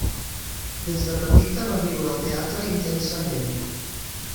Des de petita va viure el teatre intensament.